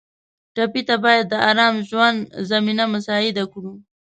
ټپي ته باید د ارام ژوند زمینه مساعده کړو.